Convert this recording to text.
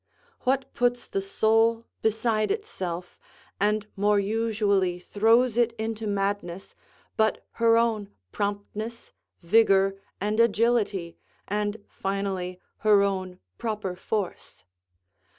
What puts the soul beside itself, and more usually throws it into madness, but her own promptness, vigour, and agility, and, finally, her own proper force?